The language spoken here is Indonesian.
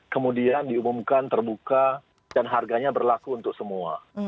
kemudian diumumkan terbuka dan harganya berlaku untuk semua